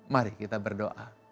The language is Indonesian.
mari kita berdoa